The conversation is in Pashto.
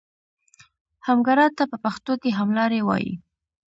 همګرا ته په پښتو کې هملاری وایي.